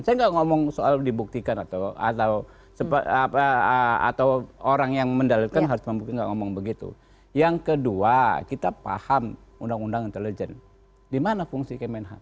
saya enggak ngomong soal dibuktikan atau atau sebab apa atau orang yang mendalatkan harus ngomong begitu yang kedua kita paham undang undang intelijen dimana fungsi kemenhan